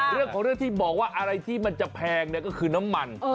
เรื่องของเรื่องที่บอกว่าอะไรที่มันจะแพงเนี่ยก็คือน้ำมัน